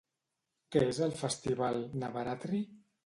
Què és el festival Navaratri?